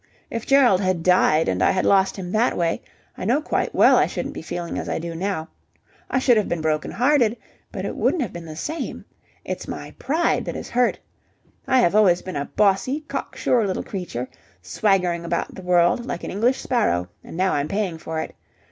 If Gerald had died and I had lost him that way, I know quite well I shouldn't be feeling as I do now. I should have been broken hearted, but it wouldn't have been the same. It's my pride that is hurt. I have always been a bossy, cocksure little creature, swaggering about the world like an English sparrow; and now I'm paying for it!